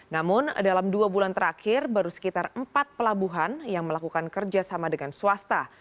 namun dalam dua bulan terakhir baru sekitar empat pelabuhan yang melakukan kerjasama dengan swasta